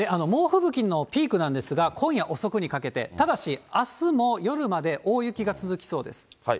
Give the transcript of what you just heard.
猛吹雪のピークなんですが、今夜遅くにかけて、ただし、あすも夜まで大雪が続きそうです。